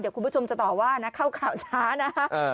เดี๋ยวคุณผู้ชมจะต่อว่านะเข้าข่าวช้านะ